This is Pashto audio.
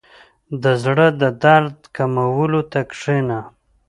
• د زړۀ د درد کمولو ته کښېنه.